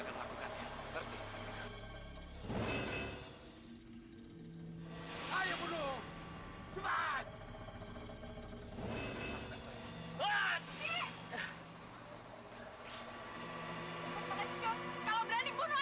jangan berani bunuh aja